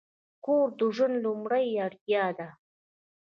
کور د ژوند لومړنۍ اړتیا ده.